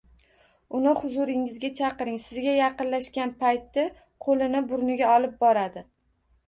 Uni huzuringizga chaqiring, sizga yaqinlashgan payti qoʻlini burniga olib boradi